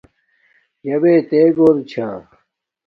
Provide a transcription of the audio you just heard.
یابے تے گھور چھا